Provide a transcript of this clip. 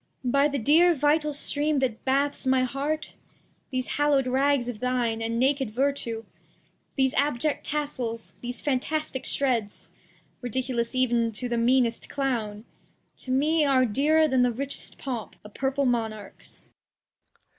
By the dear Vital Stream that bathes my Heart, 220 The History of [Act iii These hallowed Rags of thine, and naked Virtue, These abject Tassels, these fantastick Shreds, ""^ (Ridiculous ev'n to the meanest Clown) To me are dearer than the richest Pomp Of purple Monarchs.